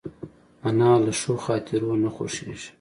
انا له ښو خاطرو نه خوښېږي